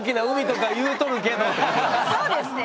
そうですね